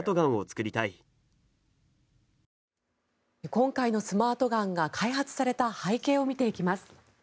今回のスマートガンが開発された背景を見ていきます。